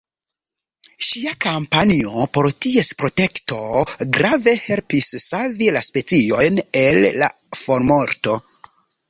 Ŝia kampanjo por ties protekto grave helpis savi la speciojn el la formorto.